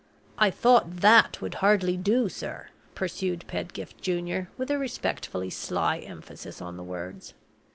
I thought that would hardly do, sir," pursued Pedgift Junior, with a respectfully sly emphasis on the words.